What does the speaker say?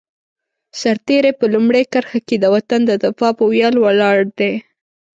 سرتېری په لومړۍ کرښه کې د وطن د دفاع په ویاړ ولاړ دی.